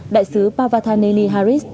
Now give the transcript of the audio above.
đại sứ pavathaneni haris